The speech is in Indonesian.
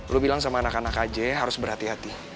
lu bilang sama anak anak aja harus berhati hati